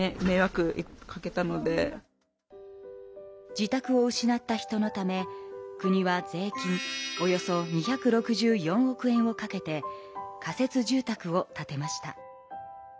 自宅を失った人のため国は税金およそ２６４億円をかけて仮設住宅を建てました。